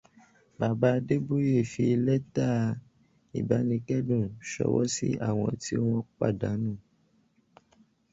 Bàbá Adébóyè fi lẹ́tà ìbánikẹ́dùn ṣọwọ́ sí àwọn tí wọ́n pàdánù